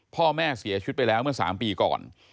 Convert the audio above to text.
พ่อแม่เสียชีวิตไปแล้วเมื่อ๓ปีก่อน